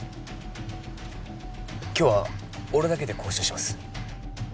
今日は俺だけで交渉します